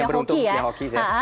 yang beruntung punya hoki